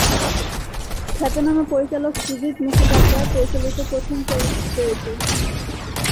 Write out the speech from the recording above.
খ্যাতনামা পরিচালক সৃজিত মুখোপাধ্যায় পরিচালিত প্রথম চলচ্চিত্র এটি।